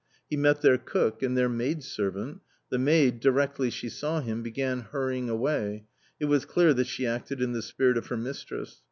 He met their cook and their maid servant : the maid, directly she saw him, began hurrying away ; it was clear that she acted in the spirit of her mistress.